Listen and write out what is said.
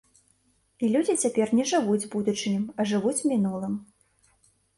І людзі цяпер не жывуць будучым, а жывуць мінулым.